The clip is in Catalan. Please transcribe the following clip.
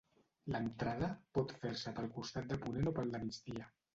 L'entrada pot fer-se pel costat de ponent o pel de migdia.